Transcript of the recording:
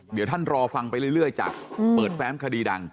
เดี๋ยวท่านรอฟังไปเรื่อยจากเปิดแฟ้มคดีดัง